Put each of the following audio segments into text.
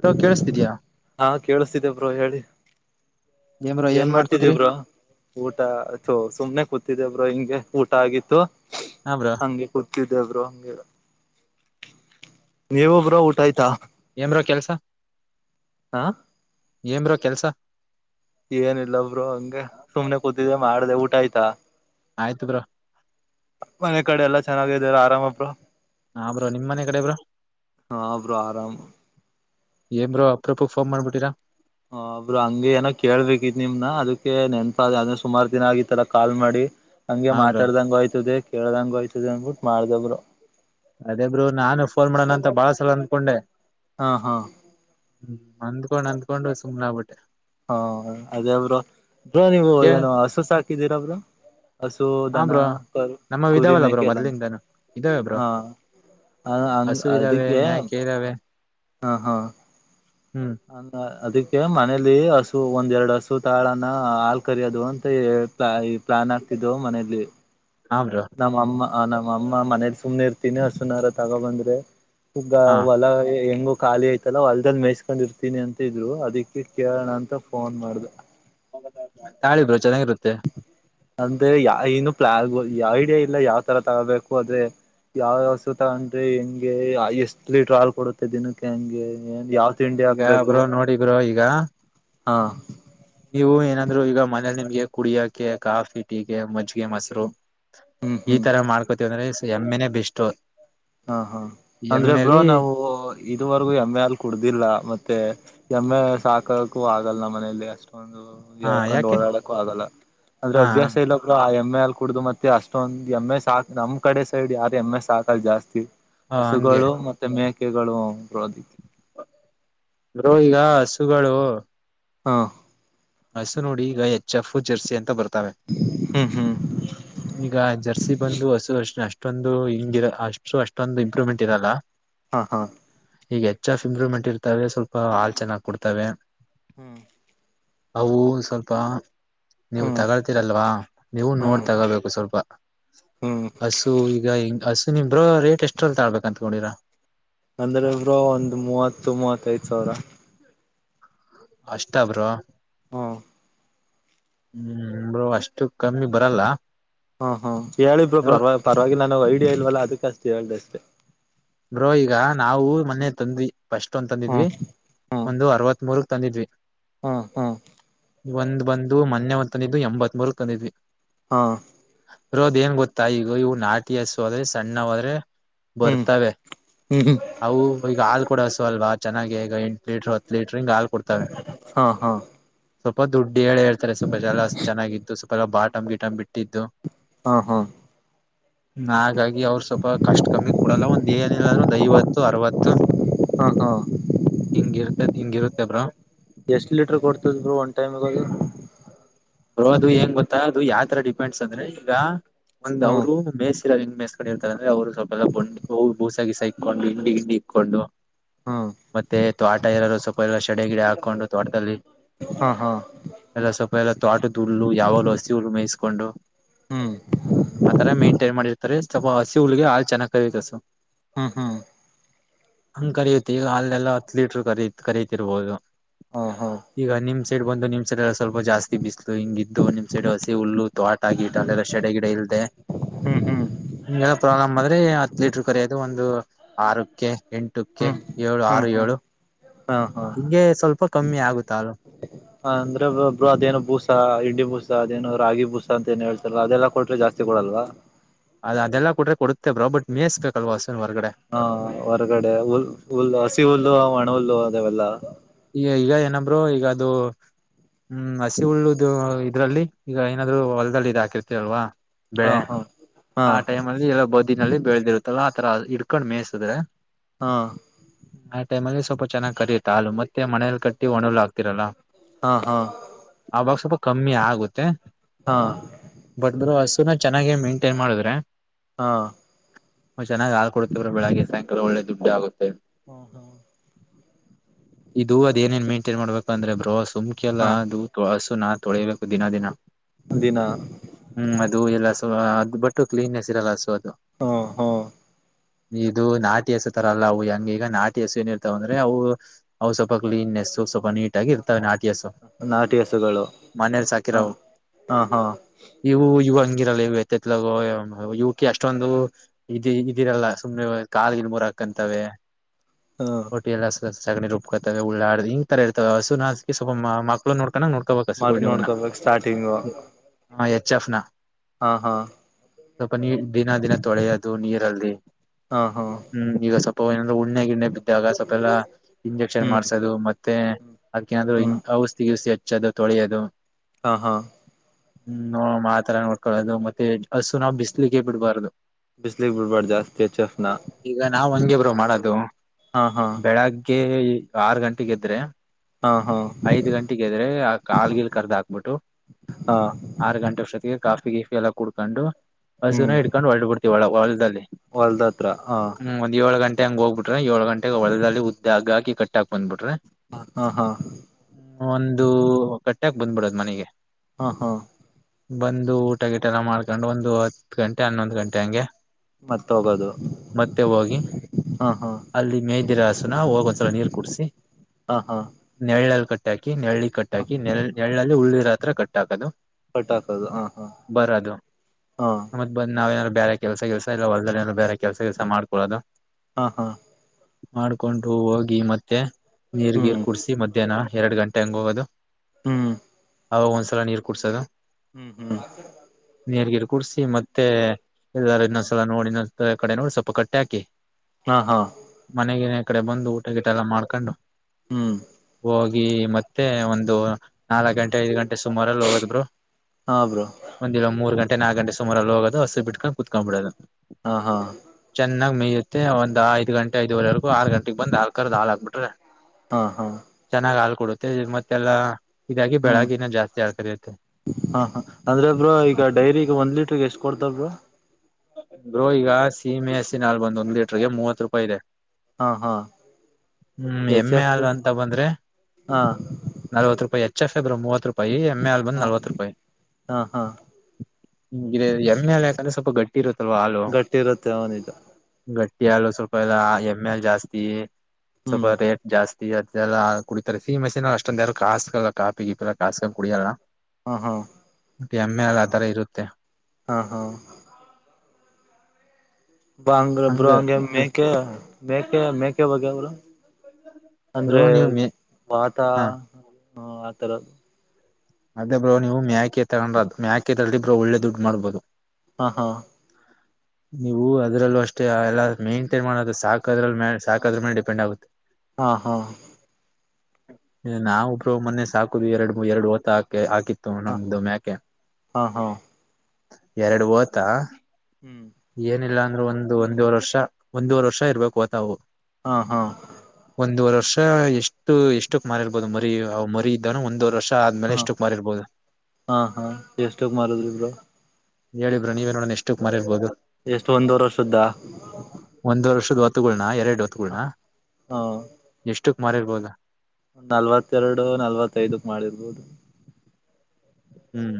Bro ಕೇಳಿಸತಿದ್ಯಾ [unintelligible] ಹಾಂ ಕೇಳಿಸ್ತಿದೆ bro ಹೇಳಿ ಏನ್ ಮಾಡ್ತಿದೆ ಬ್ರೋ ಊಟಾ ಅ ಥು ಸುಮ್ನೆ ಕೂತಿದ್ದೆ ಬ್ರೋ ಹಿಂಗೆ ಊಟ ಆಗಿತ್ತೂ ಹ್ಮಾ ಬ್ರೋ ಹಂಗೆ ಕೂತಿದ್ದೆ ಬ್ರೋ ಹಂಗೆ ನೀವು ಬ್ರೋ ಊಟ ಆಯ್ತಾ ಏನ್ ಬ್ರೋ ಕೆಲ್ಸಾ ಹಾಂ ಏನ್ ಬ್ರೋ ಕೆಲ್ಸಾ ಏನಿಲ್ಲ ಬ್ರೋ ಹಂಗೆ ಸುಮ್ನೆ ಕೂತಿದ್ದೆ ಮಾಡ್ದೆ ಊಟ ಆಯ್ತಾ. ಆಯ್ತು ಬ್ರೋ ಮನೆ ಕಡೆ ಎಲ್ಲಾ ಚೆನ್ನಾಗಿದಾರ ಆರಾಮಾ ಬ್ರೋ ಹಾಂ ಬ್ರೋ ನಿಮ್ಮನೆ ಕಡೆ ಬ್ರೋ ಹಾ ಬ್ರೋ ಆರಾಮ್ ಏನ್ ಬ್ರೋ ಅಪರೂಪಕ್ ಫೋನ್ ಮಾಡ್ಬಿಟ್ಟೀರಾ ಹ್ಮಾ ಬ್ರೋ ಹಂಗೆ ಏನೋ ಕೇಳ್ಬೇಕಿತ್ ನಿಮ್ನ ಅದಕ್ಕೆ ನೆನ್ಪ್ ಆದೆ ಸುಮಾರು ದಿನ ಆಗಿತ್ತಲ್ಲ ಕಾಲ್ ಮಾಡಿ ಹಂಗೆ ಹಾ ಬ್ರೋ ಮಾತಾಡ್ದಂಗೂ ಆಯ್ತದೆ ಕೇಳ್ದಂಗೂ ಆಯ್ತದೆ ಅಂದ್ಬಿಟ್ಟು ಮಾಡ್ದೆ ಬ್ರೋ. ಅದೇ ಬ್ರೋ ನಾನು ಫೋನ್ ಮಾಡೋಣ ಅಂತ ಬಾಳ ಸಲ ಅನ್ಕೊಂಡೆ ಆ ಹಾಂ ಹ್ಮ್ ಅಂದ್ಕೊಂಡ್ ಅಂದ್ಕೊಂಡು ಸುಮ್ನೆ ಆಗಬುಟ್ಟೆ ಹಾಂ ಅದೇ ಬ್ರೋ ಬ್ರೋ ನೀವು ಕೇಳ ಏನೂ ಹಸು ಸಾಕಿದ್ದೀರಾ ಬ್ರೋ. ಹಸು ಹಾ ದನಾ ಬ್ರೋ ಕರು ನಮ್ಮವ್ ಕುರಿ ಇದಾವಲ್ಲ ಬ್ರೋ ಮೇಕೆ ದನಾ ಮೊದ್ಲಿಂದಾನು ಇದಾವೆ ಬ್ರೋ ಹಾಂ ಹ್ಮಾ ಆ ಅಂಗ್ ಹಸು ಇದಾವೆ ಅದಕ್ಕೆ ಮ್ಯಾಕೆ ಹ್ಮಾ ಇದಾವೆ ಆ ಹ್ಮಾ ಹ್ಮ ಅಂದಾ ಅದಕ್ಕೆ ಮನೇಲಿ ಹಸು ಒಂದೆರಡು ಹಸು ತೊಗೊಳೋಣ ಹಾಲ್ ಕರಿಯೋದು ಅಂತ ಹೇ. ಲಾ ಈ ಪ್ರ್ಲಾನ್ ಆಗ್ತಿದ್ವೋ ಮನೇಲಿ. ಹ್ಮಾ ಬ್ರೋ ನಮ್ಮಮ್ಮ ನಮ್ಮ ಅಮ್ಮ ಮನೇಲಿ ಸುಮ್ಮನೆ ಇರ್ತೀನೋ ಹಸುನಾರು ತಗೊ ಬಂದ್ರೆ ಉಗ್ಗ ಹಾ ಹೊಲ ಏಂಗೂ ಖಾಲಿ ಐತಿ. ಎಲೊ ಹೊಲ್ದಲ್ಲಿ ಮೇಯಸ್ಕೊಂಡ್ ಇರ್ತೀನಿ ಅಂತೀದ್ರು ಅದಿಕ್ಕೆ ಕೇಳೋಣ ಅಂತ ಫೋನ್ ಮಾಡ್ದೆ. ತಗಳಿ ಬ್ರೋ ಚೆನ್ನಾಗಿರುತ್ತೆ ಅಂದ್ರೆ ಆ ಏನು ಪ್ಲಾಗೂ ಐಡಿಯಾ ಇಲ್ಲ ಯಾವ್ ತರ ತಗೋಬೇಕು ಅಂದ್ರೆ. ಯಾವ ಯಾವ ಹಸು ತಗೊಂಡ್ರೆ ಎಂಗೆ ಆ ಎಷ್ಟ ಲಿಟ್ರು ಹಾಲ್ ಕೊಡುತ್ತ ತ ದಿನಕ್ಕೆ ಅಂಗೆ ಎ ಏನ್ ಯಾವ್ ತಿಂಡಿ ಹಾಕ್ಬೇಕು. ಗ್ರಹ ಈಗ ಹಾ.. ನೀವು ಏನಂದ್ರು ಈಗ ಮನೇಲಿ ನಿಮ್ಗೆ ಕುಡಿಯಕೆ ಕಾಫಿ.. ಹಿಗೆ ಮಜ್ಜಿಗೆ ಮೊಸರು ಹ್ಮ್ ಈ ಹ್ಮ್ ತರ ಮಾಡ್ಕೋತಿವ ಅಂದ್ರೆ ಎಮ್ಮೆನೆ ಬೆಸ್ಟ್ ಹಾ ಹಾ ಅಂದ್ರೆ ಬ್ರೋ ಎಮ್ಮೆಲಿ ನಾವು ಇದುವರೆಗೂ ಎಮ್ಮೆ ಹಾಲ್ ಕುಡುದಿಲ್ಲ ಮತ್ತೆ ಎಮ್ಮೆ ಸಾಕಕು ಆಗಲ್ಲ ನಮ್ ಮನೇಲಿ ಅಷ್ಟೊಂದು ಹ ಹೇಳ್ಕೊಂಡು ಯಾಕೆ ಓಡಾಡಕ್ಕೂ ಆಗಲ್ಲ ಅದ್ರ ಹಾ ಅಭ್ಯಾಸನೆ ಇಲ್ಲ ಆ ಎಮ್ಮೆ ಹಾಲ್ ಕುಡ್ದು ಮತ್ತೆ ಅಷ್ಟೊಂದು ಎಮ್ಮೆ ಸಾಕ್ ನಮ್ ಕಡೆ ಸೈಡ್ ಯಾರು ಎಮ್ಮೆ ಸಾಕಲ್ ಜಾಸ್ತಿ ಹ ಹಂಗೆ ಹಸುಗಳು ಮತ್ತೆ ಮೇಕೆಗಳು ಬ್ರೋ ದಿ ಬ್ರೋ ಈಗ ಹಸುಗಳು ಹಾ ಹಸು ನೋಡಿ ಈಗ ಎಚ್ ಎಫ್ ಜರ್ಸಿ ಅಂತ ಬರ್ತಾವೆ ಹ್ಮ್ ಹ್ಮ್ ಈಗ ಜರ್ಸಿ ಬಂದು ಹಸು ಅಷ್ಟೊಂದು ಹಿಂಗಿರ ಅಷ್ಟು ಅಷ್ಟೊಂದು ಇಂಪ್ರೂವ್ ಮೆಂಟ್ ಇರಲ್ಲ ಹಾ ಹಾ ಈಗ ಹೆಚ್ ಆಫ್ ಇಂಪ್ರೂವ್ ಮೆಂಟ್ ಇರ್ತವೆ ಸ್ವಲ್ಪ ಹಾಲು ಚೆನ್ನಾಗ್ ಕೊಡ್ತವೆ ಹ್ಮ್ ಅವು ಸ್ವಲ್ಪ ನೀವು ಹ್ಮ್ ತಗೊಳ್ತೀರಲ್ವಾ ನೀವು ನೋಡ್ ತಗೋಳ್ಬೇಕು ಸ್ವಲ್ಪ ಹ್ಮ್ ಹಸು ಈಗ ಹಿಂಗ ಹಸು ಬ್ರೋ ರೇಟ್ ಎಷ್ಟ ಅಂತ ಹೆಳ್ಬೇಕ ಅತ್ಕೊಂಡಿರಾ ಅಂದ್ರೆ ಇಬ್ರು ಒಂದ್ ಮೂವತ್ತು ಮೂವತ್ತಐದು ಸಾವಿರ ಅಷ್ಟ ಬ್ರೋ ಹ್ಮ್ ಹ್ಮ್ ಬ್ರೋ ಅಷ್ಟು ಕಮ್ಮಿ ಬರಲ್ಲ ಹ್ಮ್ ಹ್ಮ್ ಹೇಳಿಬರು ಬ್ರೋ ಪರವಾಗಿ ಪರವಾಗಿಲ್ಲ ನನಗೆ ಐಡಿಯಾ ಇಲ್ಲ ಅದಕ್ಕ ಅಷ್ಟು ಹೇಳ್ದ ಅಷ್ಟೇ ಬ್ರೋ ಈಗ ನಾವು ಮನ್ನೆ ತಂದ್ವಿ ಫಸ್ಟ್ ಒಂದ್ ಹ್ಮ್ ತಂದಿದ್ವಿ ಒಂದು ಅರವತ್ತ್ ಮೂರ್ ಕ್ಕೆ ತಂದಿದ್ವಿ ಹಾ ಹಾ ಒಂದ್ ಬಂದು ಮೊನ್ನೆ ಒಂದ್ಂದಿದ್ದು ಎಂಬತ್ ಮೂರಕ್ ತಂದಿದ್ವಿ ಹಾ ರೋದ್ ಏನ್ ಗೊತ್ತಾ ಈಗ ಇವು ನಾಟಿ ಹಸುದ್ರೆ ಸಣ್ಣಾದ್ರೆ ಹ್ಮ್ ಬರ್ತವೆ ಹ್ಮ್ ಅವು ಈಗ ಹಾಲ್ ಕೊಡಸು ಅಲ್ವಾ ಚೆನ್ನಾಗಿ ಈಗ ಎಂಟು ಲೀಟ್ರ ಹತ್ ಲೀಟ್ರ ಹಿಂಗ್ ಹಾಲ್ ಕೊಡ್ತವೆ ಹಾಂ ಹಾಂ ಸ್ವಲ್ಪ ದುಡ್ಡಿ ಹೇಳಿ ಹೇಳ್ತಾರೆ ಸ್ವಲ್ಪ ಜಲ ಚೆನ್ನಾಗಿತ್ತು ಸ್ವಪ ಎ ಬಾಟಮ್ ಗೀಟಮ್ ಬಿಟ್ಟಿದ್ದು ಹಾ ಹಾ ಹಾಗಾಗಿ ಅವ್ರರು ಸ್ವಲ್ಪ ಕಷ್ಟ ಕಮ್ಮಿ ಕೊಡಲ್ಲ ಒಂದ ಏನಿಲ್ಲ್ರ ಒ ಐವತ್ತು ಅರವತ್ತು ಹಾ ಹಾ ಹಿಂಗಿರ್ತೈತ್ ಹಿಂಗಿರುತ್ತೆ ಬ್ರೋ ಎಷ್ಟ್ ಲೀಟರ್ ಕೊಡ್ತದ್ ಬ ಒನ್ ಟೈಮ್ಗದು ಬ್ರೋ ಅದು ಹೆಂಗ್ ಗೊತ್ತಾ ಅದು ಯಾವ ತರ ಡಿಪೆಂಡ್ಸ್ ಅಂದ್ರೆ ಈಗ ಒಂದ್ ಹ್ಮ್ ಅವ್ರು ಮೇಸ ಮಸ್ಕೊಂಡಿರ್ತ ಅಂದ್ರ ಅವರು ಸ್ವಲ್ಪಲ್ಲ ಬ ಹ ಬೂಸಗಿಸ ಇಕ್ಕೊಂಡುಿಂಡಿ ಗಿಂಡಿ ಇಕ್ಕೊಂಡು ಹ್ಮ್ ಮತ್ತೆ ತೋಟ ಎಲ್ಲಾದಾರೂ ಸ್ವಲ್ಪ ಎಲ್ಲ ಸಡ ಗಿಡ ಹಾಕೊಂಡು ತೋಟದಲ್ಲಿ ಹಾ ಹಾ ಎಲ್ಲ ಸ್ವಲ್ಪ ಎಲ್ಲ ತೋಟ ಹುಲ್ಲು ಯಾವದು ಹುಲ್ಲು ಮೇಯಿಸಕೊಂಡು ಹ್ಮ್ ಆ ತರ ಮೇಂಟೈನ್ ಮಾಡಿರ್ತಾರೆ ಸ್ವಲ್ಪ ಹಸಿ ಹುಳಿಗೆ ಹಾ ಚನ್ನಾಗಿಗತಸ ಹ್ಮ್ ಹ್ಮ ಹಂಗ್ ಕರಿಯುತ್ತೆ ಈಗ ಅಲ್ಲೆಲ್ಲಾ ಅತ್ ಲೀಟ್ರು ಕರೀತ್ ಕರೀತಿರ್ಬೋದು ಹಾ ಹಾ ಈಗ ನಿಮ್ ಸೈಡ್ ಬಂದು ನಿಮ್ ಸೈಡೆಲ್ಲ ಸ್ವಲ್ಪ ಜಾಸ್ತಿ ಬಿಸ್ಲು ಹಿಂಗ ಇದ್ದು ನಿಮ್ ಸೈಡ್ ಹಸಿ ಹು ತೋ ಆಟ ಆಗಿ ಇ ಅಲ್ಲೆಲ್ಲ ಸಡ ಗಿಡ ಇಲ್ಲದೆ ಹ್ಮ್ ಹ್ಮ್ ನಿಮಗೆಲ್ಲ ಪ್ರಾಬ್ಲಮ್ ಆದ್ರೆ ಅತ್ ಲೀಟ್ರ್ ಕರಿ ಅದು ಒಂದು ಆರುಕ್ಕೆ ಎಂಟಕ್ಕೆ ಹ್ಮ್ ಏಳು ಹ್ಮ್ ಆರು ಹ್ಮ್ ಏಳು ಹಾ ಹಾ ಹಗೆ ಸ್ವಲ್ಪ ಕಮ್ಮಿ ಆಗುತ್ತ ಅ ಹ ಅಂದ್ರೆ ಒಬ್ಬರು ಅದೇನು ಬೂಸ ಇಂಡಿ ಬೂಸ ಅದೇನು ರಾಗಿ ಬೂಸ ಅಂತ ಏ ಹೇಳ್ತಾರಲ್ಲ ಅದೆಲ್ಲ ಕೊಟ್ರೆ ಜಾಸ್ತಿ ಕೊಲ್ವಾ ಅದ ಅದೆಲ್ಲ ಕೊಡ್ರೆ ಕೊಡ್ತ್ತೇ ಬ್ರ ಬಟ್ ಮೇಯಸ್ಬೇಕಲ್ವಾ ಹೊಸನ್ ಹೊರ್ಗಡೆ ಹಾ ಹೊರಗಡೆ ಹುಲ್ ಹುಲ್ಲು ಹಸಿ ಹುಲ್ಲು ಒಣ ಹುಲ್ಲು ಅದವೆಲ್ಲ ಈ ಈಗ ಏನಂಬರು ಈಗ ಅದು ಹ್ಮ್ ಹಸಿ ಉಳ್ಳುದು ಇದ್ರಲ್ಲಿ ಈಗ ಏನಾದ್ರು ಹೊಲದಲ್ಲಿ ಇದ ಹಾಕಿರ್ತಲ್ವಾ ಹಾ ಬೆಳೆ ಹಾ ಹಾ ಆ ಟೈಮ್ ಅಲ್ಲಿ ಎಲ್ಲೋ ಬದ್ದಿನಲ್ಲಿ ಬೆಳೆದಿ ಇರುತ್ತಲ್ಲ ಆ ತರ ಇಿಡ್ಕೊಂಡ್ ಮೇಯಿಸುದ್ರೆ ಹಾ ಆ ಟೈಮಲ್ಲಿ ಸ್ವಲ್ಪ ಚೆನ್ನಾಗ್ ಕರಿತ್ತ ಹಾಲು ಮತ್ತೆ ಮನೇೆಯಲ್ಲಿ ಕಟ್ಟಿ ಒಣಲು ಆಗ್ತಿರಲ್ಲ ಹಾ ಹಾ ಅವಾಗ ಸ್ವಲ್ಪ ಕಮ್ಮಿ ಆಗುತ್ತೆ ಹಾ ಬಟ್ ಹಸುನ ಚೆನ್ನಾಗೆ ಮೇಂಟೈನ್ ಮಾಡಿದ್ರೆ ಹಾ ಚೆನ್ನಾಗಿ ಹಾ ಕೊಡ್ತವ್ರ ಬೆಳಿಗ್ಗೆಾಯಂಕಾಲ ಒೆ ದುಡ್ಡು ಆಗುತ್ತೆ ಹ ಹಾ ಇದು ಅದ ಏನೇನ್ ಮೈಂಟೈನ್ ಮಾಡ್ಬೇಕು ಅಂದ್ರೆ ಬ್ರೋುಸುಮ್ಕೆ ಅಲ್ಲ ಹಾ ಅದು ಹಸು ನ ತೊಳಿಬೇಕು ದಿನ ದಿನ. ದಿನ ಹ್ಮ್ ಅದು ಎಲ್ಲಾ ಸೊ ಅದು್ ಬಟ್ಟು ಕ್ಲೀನ್ಸ್ ಇರಲ್ಲ ಸೊ ಅ ಹ್ಮ ಹ್ಮ್ ಇದು ನಾಟಿ ಹೆಸು ತರಲ್ಲ ಅವು ಹೆಂಗೀಗ ನಾಟಿ ಹೆಸು ಏನ ಇರ್ತಾವ ಅಂದ್ರೆ ಅವು ಔ ಸವಪ್ನ್ ನೆಸ್ಸ ಸಪ ನೀ ಗಿ ಇರ್ತಾವ ಆಟಿಯಾಸ ನಾಟಿ ಹಸುಗಳು ಮನೇೆಯಲ್ಲಿ ಸಾಕಿರ ಹ ಹಾ ಹಾ ಇವು ಇವ ಹಂಗಿರಲ್ಲ ಇತ್ತತ್ಲ ಇವಕ್ಕೆ ಎಷ್ಟೊಂದು ಇದ ಇದಿರಲ್ಲ ಸುಮ್ನೆ ಕಾಾಲಗಿನ ಮೂರ ಹಾಕಂತವೆ ಹಾಂ ಎಲ್ಲ ಸಣಿ ರುಬ್ಕ ಉಳ್ಳಾ ಆಡ ಹಿ ತರ ಇರ್ತವೆ ಹಸು ಹಸಿ ಸ್ವಲ್ ಮ ನೋಡ್ಕ ನೋಡ್ಕೋಬೇಕ ಮಾರ್ಕ್ ಸುಣಿ ನೋಡ್ಕೋಬೇಕು ಸ್ಟಾರ್ಟಿಂಗು ಎಚ್ ಎಫ್ ನ ಹಾ ಹಾ ಸ್ವಲ್ಪ ನೀ ದಿನ ದಿನ ತೊಳೆಯೋದು ನೀರಲ್ಲಿ ಹಾ ಹಾ ಹ್ಮ್ ಈಗ ಸ್ವಲ್ಪ ಏನಾದರು ಉಣ್ಣೆ ಗಿಣ್ಣೆ ಬಿದ್ದಾಗ ಸ್ವಲ್ಪಲ್ಲಾ ಇಂಜೆಕ್ಷನ್ ಹ್ಮ್ ಮಾಡ್ಸ ಮತ್ತೆ ಅದಕೇನಾದ್ರು ಹ್ಮ್ ಇನ್ನು ಔಷಧಿಸಿ ಹಚ್ಚದು ತೊಳೆಯದು ಹಾ ಹಾ ಹ್ಮ್ ನೋ ಮಾತರ ನೋಡ್ಕೊಳ್ಳೋದು ಮತ್ತೆ ಹಸು ನಾವವು ಬಿಸ್ಲಿಕ ಬಿಡ್ಬಾರ್ದು ಬಿಜ್ಲಿಿಗೆ ಬಿಡ್ಬಾರಡ್ ಜಾಸ್ತಿ ಹೆಚ್ ಎಫ್ನ ಈಗ ನಾವ ಹಂಗೆ ಬ್ರೋ ಮಾಡದು ಹಾ ಹಾ ಬೆಳಗ್ಗೆ ಆರು ಗಂಟೆಗೆ ಎದ್ರೆ ಹಾ ಹಾ ಐದ್ ಗಂಟಗದ್ರೆ ಆ ಕಾಲ್ಗಿಲ್ ಕರ್ದ ಹಾಕ್ಬಿಟ್ಟು ಹಾ ಆರು ಗಂಟೆ ಅಷ್ಟೊತ್ತಿಗೆ ಕಾಫಿ ಗಿಫಿ ಎಲ್ಲ ಕ ಕುಡ್ಕೊಂಡು ಹಸುನ ಹ್ಮ್ ಹಿಡ್ಕೊಂಡು ಹೊಳಡ್ ಬಿಿಡ್ತೀವಿ ಒ ಹೊಲ್ದಲ್ಲಿ ಹೊಲ್ದತ್ರ ಹ ಒಂದ್ಏಳು ಗಂಟೆ ಹೋಗ್ಬ ಬಿ್ರಿ ಏಳ್ು ಗಂಟ ಹೊ ಒದದಲ್ಲಿ ಉದ್ದ ಹಾಿ ಕಟ್ಟಾಕ ಬಂದ್ ಬಿಟ್ರಿ ಹ ಹಾ ಹಾ ಒಂದು ಕಟ್ಟ್ಯಾಕ್ ಬಂದ್ಬಿಡದು್ ಮನೆಗೆ ಹಾ ಹಾ ಬಂದು ಊಟ ಗೀಟ ಎಲ್ಲ ಮಾಡ್ಕೊಂಡು ಒಂದು ಹತ್ತು ಗಂಟೆ ಹನ್ನೊಂದು್ ಗಂಟೆ ಹಂಗೆ ಮತ್ತ ಹೋಗೋದು ಮತ್ತೆ ಹೋಗಿ ಹಾ ಹಾ ಅಲ್ಲಿ ಮೇದಿರಾಸ ಹೋಗ ಒಂದ್ಲ ನೀರ್ ಕುಡಸಿ ಹಾ ಹಾ ನೆಳ್ಳಲ್ಲಿ ಕಟ್ಟ ಹಾಕಿ ನಳ್ಳಿ ಕಟ್ಟಾಕಿ ನೆರಳ ಎಳ್ಳಲ್ಲಿ ಉಳ್ಳಿರ ಹತ್ರ ಕಟ್ ಹಾಕದು ಕಟ್ ಹಾಕೋದು ಹಾ ಹಾ ಬರದು ಹಾ ಮ ಬಂದ ನಾವೇನಾರರು ಬೇರೆ ಕೆಲಸ ಕೆಲಸ ಇಲ್ಲ ಹೊಲ್ದ ಏನಾರ ಬೇರೆ ಕೆಲಸ ಕೆಲ್ಸ ಮಾಡ್ಕೊಳ್ಳೋದು. ಹಾ ಹಾ ಮಾಡ್ಕೊಂಡು ಹೋಗಿ ಮತ್ತೆ ನೀರ್ ಹ್ಮ್ ಗೀರ್ ಕ ಕುಡಸಿ ಮಧ್ಯಾಹ್ನ ಎರಡ್ ಗಂಟೆ ಹಂಗ ಹೋಗೋದು. ಹ್ಮ್ ಅವಾಗ ಒಂದ್ಸಲ ನೀರ್ ಕೊಡ್ಸಿ ಸಾಗ ಹ್ಮ್ ಹ್ಮ್ ನೀರ್ಗಿರು ಕುೂಡ್ಸಿ ಮತ್ತೆ ಇನ್ನೊಂದ್ಸಲ ನೋಡಿ ಇನ್ನೊಂದ್ಸ ಕಡೆ ನೋಡಿ ಸ್ವಲ್ಪ ಕಟ್ಟೆ ಹಾಕಿ ಹಾ ಹಾ ಮನೆಗಿನ ಕಡೆ ಬಂದು ಊಟಗಿಟ ಎಲ್ಲ ಮಾಡ್ಕೊಂಡು ಹ್ಮ್ ಹೋಗಿ ಮತ್ತೆ ಒಂದು ನಾಲ್ಕಕ್ ಗಂಟೆ ಐದ್ ಗಂಟೆ ಸುಮಾರಲ್ಲಿ ಹೋಗದ್ರು ಹಾ ಬ್ರರು ಒಂದಿ ಮೂ ಗಂಟೆ ನಾಕು ಗಂಟ ಸುಮರಲ್ಲಿ ಹೋಗೋ ಹಸು ಬಿಟ್ಕೊಂಡು ಕುತ್ಕೊಂಡ್ಬಿಡದು ಹಾ ಹಾ ಚೆನ್ನಾಗ್ ಮೇಯ್ಯುತ್ತೆ ಒಂದ್ ಐದ್ ಗಂಟೆ ಐದುವರೆವರೆಗೂ ಆರು ಗಂಟೆಗೆ ಬಂದ ಹಾಲ್ ಕರ್ದ ಹಾಲ್ ಹಾಕ್ಬಿಟ್ರೆ ಹಾಂ ಹಾಂ ಚೆನ್ನಾಗ್ ಹಾಲ್ ಕೊಡುತ್ತೆ ಮತ್ತೆಲ್ಲಾ ಇದಾಗಿ ಹ್ಮ್ ಬೆಳಗ್ಗಿನ ಜಾಸ್ತಿ ಹಾಳ್ ಕರಿೆಯುತ್ತೆ ಹಾ ಹಾ ಅಂದ್ರೆಬ್ ಈಗ ಡೈರಿಗ ಒಂದ್ ಲೀಟರ್ಗೆ ಎಷ್ಟ್ ಕೊಡ್ತಬ್ರ ಬ್ರೋ ಈಗ ಸೀಮೆ ಹಸಿ ನಾಲ್ ಬಂದು ಒಂದ್ ಲೀಟರ್ಗೆ ಮೂವತ್ತು ರೂಪಾಯಿ ಇದೆ ಹಾ ಹಾ ಹ್ಮ್ ಎಚ್ ಎಮ್ಮೆ ಅಲ್ ಎಫ್ದು ಅಂತ ಬಂದ್ರೆ ಹಾ ನಲ್ವತ್ತು ರೂಪಾಯ ಹೆಚ್ ಎಫ್ ಎ ಮೂವತ್ತು ರೂಪಿ ಎಂ ಎ ಆಲ್ನ್ ಹಾ ನವತ್ ರೂಪಾಯಿ ಹಾ ಹಾ ಹ್ಮ್ ಇೇ ಎಮ್ಮೆಾಲ ಯಾಕಂದ್ರೆ ಸ್ವಲ್ಪ ಗಟ್ಟಿ ಇರುತ್ತಲ್ವಾ ಹಾಲು ಗಟ್ಟಿ ಇರುತ್ತೆ ಅವನಿದ ಗಟ್ಟಿ ಹಾಲು ಸ್ವಲ್ಪ ಎಲ್ಲ ಎಮ್ ಎಲ್ ಜಾಸ್ತಿ ಸ್ವಲ್ಪ ಹ್ಮ್ ರೇಟ್ ಜಾಸ್ತಿ ಅಲ್ಲ ಕುಡಿತಾರೆ ಸಿಹ ಮಷಿನ್ ಅಷ್ಟೊಂದ ಯಾರು ಕಾಸ್ಕಲ್ಲ ಕಾಪಿ ಗಿಪ ಎಲ್ಲ ಕಾಸ್ಕೊಂಡ್ ಕುಡಿಯಲ್ಲ ಹಾ ಹಾ ಮತ್ತೆ ಎಮ್ಮೆ ಎಲ್ ಆ ತರ ಇರುತ್ತೆ ಹಾ ಹಾ ಬಾಂಗೊಬ್ರು ಹಂಗ ಹಂಗೆ ಮೇಕೆ ಮೇಕೆ ಮೇಕೆ ಬಗೆಬ್ರು ಬ್ರೋ ಅಂದ್ರೆ ನೀವು ಮೆ ವಾತ ಹಾ ಆತರ ಅದೇ ಬ್ರೋ ನೀವು ಮ್ಯಾಕೆ ತಗೊಂಡ್ರ ಮ್ಯಾಕೆ ತಿ ಬ್ರೋ ಒಳ್ಳೆ ದುಡ್ಡು ಮಾಡ್ಬೋದು ಹಾ ಹಾ ನೀವು ಅದ್ರಲ್ಲೂ ಅಷ್ಟೇ ಎಲ್ಲಾ ಮೈಂಟೈನ್ ಮಾಡೋದು ಸಾಕದ್ರಲ್ ಮ ಸಾಕದ್ರ ಮೇಲೆ ಡಿಪೆಂಡ್ ಆಗುತ್ತೆ ಹಾ ಹಾ ನಾವು ಬ್ರೋ ಮೊನ್ನೆ ಸಾಕುದು ಎರಡು ಎರಡು ಹೊತ್ತ ಹಾಕ್ ಹಾಕಿವಿ ನಮ್ದು ಮ್ಯಾಕೆ ಹಾ ಹಾ ಹಾ ಎರಡು ಓತಾ. ಹ್ಮ್ ಏನಿಲ್ಲ ಅಂದ್ರೂ ಒಂದು ಒಂದುವರೆ ವರ್ಷ ಒಂದೂವರೆ ವರ್ಷ ಇರ್ಬೇಕು ಓತ ಅವು. ಹಾ ಹಾ ಒಂದವರೆ ವರ್ಷ ಎಷ್ಟು ಎಷ್ಟಕ್ ಮಾರಿರ್ಬೋದು ಮರಿ ಅವು ಮರಿ ಇದ್ದಾನು ಒಂದುವರ್ ವರ್ಷ. ಆದ್ಮೇಲೆ ಹಾ ಎಷ್ಟಕ್ ಮಾರಿರ್ಬೋದು ಹಾ ಹಾ ಎಷ್ಟೋಕ್ ಮಾರದ್ರ ಬ್ರೋ. ಹೇಳಿಬ್ರೋ ನೀವೇ ನೋಡಣ ಎಷ್ಟುಕ್ ಮರಿರ್ಬೋದು. ಎಷ್ಟು ಒಂದ ವರ್ ವರ್ಷದ್ದಾ. ಒಂದು ವರ್ ವರ್ಷುದ್ ಒತುಗುಳನ ಎರಡ್ ಒತ್ಗುಳನ ಹಾ ಎಷ್ಟಕ್ ಮಾರಿರ್ಬೋದು. ನಲ್ವತ್ತೆರಡು ನಲ್ವತ್ತೈದಕ್ ಮಾಡಿರ್ಬೋದು. ಹ್ಮ್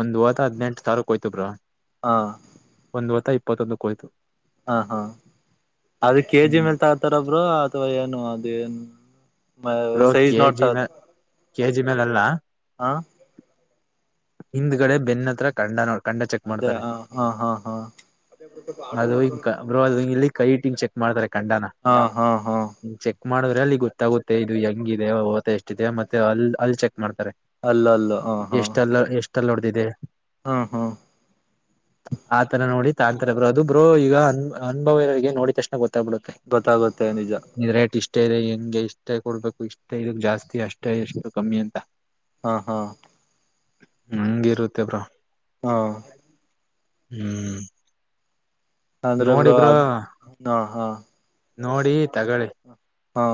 ಒಂದು ವೊತ ಹದ್ನೆಂಟ್ ಸಾವಿರಕ್ ಹೋಯ್ತಬ್ರೋ. ಹಾ ಒಂದ್ ವೊತ್ತ ಇಪ್ಪತ್ತೊಂದುಕ್ಕೆ ಹೋಯ್ತು. ಹಾ ಹಾ ಅದು ಕೆಜಿ ಹ್ಮ್ ಮೇಲ್ ತಗತಾರ ಬ್ರೋ ಅಥವಾ ಏನು ಅದು ಏನ್. ಬ್ರೋ ಸೈಜ್ ನೋಡ್ತಾ ಕೆಜಿ ಮ ಅದು ಕೆಜಿ ಮೇಲೆಲ್ಲ. ಹ ಹಿಂದ್ಗಡೆ ಬೆನ್ನತ್ರ ಕಂಡನೋಡ್ ಅದೇ ಹ ಹಾ ಹಾ ಹಾ ಅದು ಹಿಂಗ್ ಬ್ರೋ ಅದು ಇಲ್ಲಿ ಕೈ ಇಟ್ಟು ಚೆಕ್ ಮಾಡ್ತಾರೆ ಖಂಡನ. ಹಾ ಹಾ ಹಾ ಚೆಕ್ ಮಾಡಿದ್ರೆ ಅಲ್ಲಿ ಗೊತ್ತಾಗುತ್ತೆ ಇದು ಹೆಂಗಿದೆ ವೋತ ಎಷ್ಟಿದೆ ಮತ್ತೆ ಅಲ್ ಅಲ್ಲಿ ಚೆಕ್ ಮಾಡ್ತಾರೆ. ಅಲ್ಲಲ್ಲ ಹ ಎಷ್ಟಲ್ಲ ಎಷ್ಟಲ್ಲ ಹೊಡೆದಿದೆ. ಹ್ಮ ಹ್ಮ ಆತರ ನೋಡಿ ತಾಂತರೇ ಬ್ರೋ ಅದು ಬ್ರೋ ಈಗ ಅನ್ ಅನುಭವರಿಗೆ ನೋಡಿ ತಕ್ಷಣ ಗೊತ್ತಾಗ್ಬಿಡುತ್ತೆ. ಗೊತ್ತಾಗತ್ತೆ ನಿಜ. ರೇಟ್ ಇಷ್ಟ ಇದೆ ಹೆಂಗೆ ಇಷ್ಟೇ ಕೊಡ್ಬೇಕು ಇಷ್ಟ ಇದಕ್ ಜಾಸ್ತಿ ಅಷ್ಟೇ ಎಷ್ಟು ಕಮ್ಮಿ ಅಂತ. ಹಾ ಹಾ ಹಂಗ ಇರುತ್ತೇ ಬ್ರೋ. ಹಾ ಹ್ಮ್ ಅಂದ್ರು ಬ್ರೋ ಅದ್ ಹಾ ಹಾ. ನೋಡಿ ತಗೊಳ್ಳಿ. ಹಾ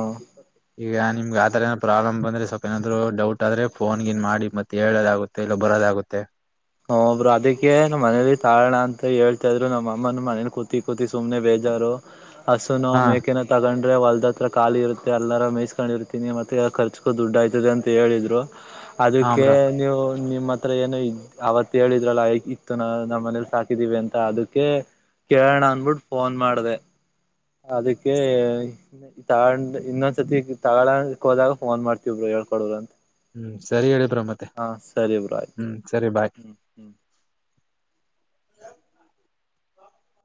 ಈಗ ನಿಮ್ಗೆ ಆ ತರ ಏನ ಪ್ರಾಬ್ಲ್ ಬಂದ್ರೆ ಸ್ವಲ್ಪ ನಾದ್ರು ಡೌಟ್ ಆದ್ರೇ ಫೋನ್ಗಿನ್ ಮಾಡಿ ಮತ್ತೆ. ಹೇಳೋದಾಗುತ್ತೆ ಇಲ್ಲ ಬರೋದಾಗುತ್ತೆ. ಹು ಬ್ರೋ ಅದಕ್ಕೆ ನಮ್ಮ್ ಮನೇಲಿ ತಾಳಣ ಅಂತ ಹೇಳ್ತಾ ಇದ್ರು ನಮ್ಮ ಅಮ್ಮನ ಮನೇಲಿ ಕೂತಿ ಕೂತಿ ಸುಮ್ನೆ ಬೇಜಾರು. ಹಸು ನೋ ಹಾ ಮೇಕೆನೋ. ತಗೊಂಡ್ರೆ ಹೊಲ್ದ ಹತ್ರ ಖಾಲಿ ಇರುತ್ತೆ ಎಲ್ಲರ ಮೇಯಿಸ್ಕೊಂಡಿರ್ತೀನಿ ಮತ್ತೆ ಖರ್ಚಗೂ ದುಡ್ಡ ಆಯ್ತದೆ ಅಂತ ಹೇಳಿದ್ರು. ಹಾ ಅದಕ್ಕೆ ಬ್ರೋ ನೀವು ನಿಮ್ಮ ಹತ್ರ ಏನೋ ಅವತ್ ಹೇಳಿದ್ರಲ್ಲ ಐಕ್ ಇತ್ತು ನ ನಮ್ಮ ಮನೇಲಿ ಸಾಕಿದೀವಿ ಅಂತ ಅದಕ್ಕೆ ಕೇಳಣ ಅನ್ಬಿಟ್ಟ್ ಫೋನ್ ಮಾಡಿದೆ. ಅದಕ್ಕೆ ತಗೊಂಡ ಇನ್ನೊಂದ್ಸತಿ ತಗೊಳಕ್ ಹೋದಾಗ ಫೋನ್ ಮಾಡ್ತೀವ್ ಬ್ರೋ ಹೇಳ್ಕೊಡೋರು ಅಂತ. ಹ್ಮ್ ಸರಿ ಹೇಳಿಬ್ರೋ ಮತ್ತೆ ಹಾ ಸರಿ ಬ್ರೋ ಆಯ್ತು ಹ್ಮ್ ಸರಿ ಬಾಯ್. ಹ್ಮ್ ಹ್ಮ್.